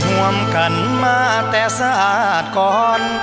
ห่วมกันมาแต่สากอน